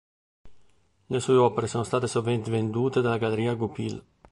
Le sue opere sono state sovente vendute dalla galleria Goupil.